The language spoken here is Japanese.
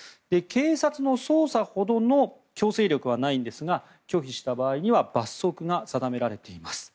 警察の捜査ほどの強制力はないんですが拒否した場合には罰則が定められています。